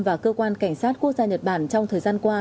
và cơ quan cảnh sát quốc gia nhật bản trong thời gian qua